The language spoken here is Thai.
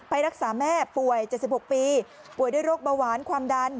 ไปรักษาแม่ป่วยเจ็ดสิบหกปีป่วยได้โรคเบาหวานความดัน